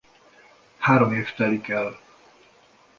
Három év telik el.